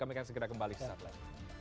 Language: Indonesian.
kami akan segera kembali sesaat lain